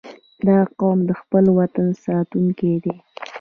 • دا قوم د خپل وطن ساتونکي دي.